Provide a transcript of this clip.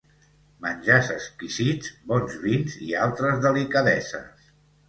Menjars exquisits, bons vins i altres delicadeses.